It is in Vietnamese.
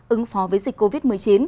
ứng phó với dịch covid một mươi chín